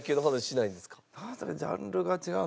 ジャンルが違う？